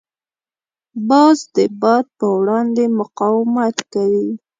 باز د باد په وړاندې مقاومت کوي